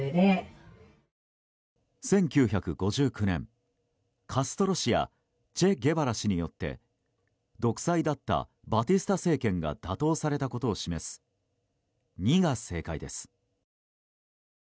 １９５９年、カストロ氏やチェ・ゲバラ氏によって独裁だったバティスタ政権が打倒されたことを示す２が正解です。